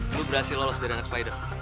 lo berhasil lolos dari angka spider